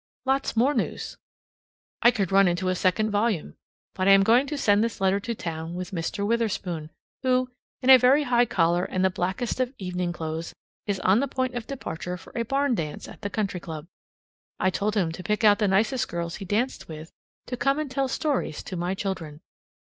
Lots more news, I could run into a second volume, but I am going to send this letter to town by Mr. Witherspoon, who, in a very high collar and the blackest of evening clothes, is on the point of departure for a barn dance at the country club. I told him to pick out the nicest girls he danced with to come and tell stories to my children.